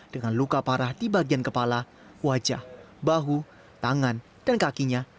dengan luka parah di bagian kepala wajah bahu tangan dan kakinya